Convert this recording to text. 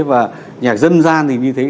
và nhạc dân gian thì như thế